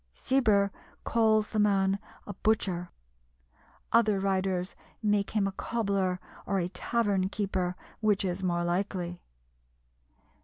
Cibber calls the man a butcher; other writers make him a cobbler or a tavern keeper, which is more likely.